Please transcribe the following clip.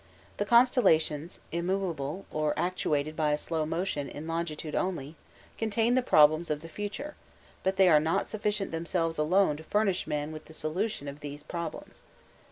The constellations, immovable, or actuated by a slow motion, in longitude only, contain the problems of the future, but they are not sufficient of themselves alone to furnish man with the solution of these problems.